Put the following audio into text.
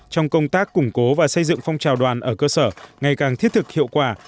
trong công tác củng cố và xây dựng phong trào đoàn ở cơ sở ngày càng thiết thực hiệu quả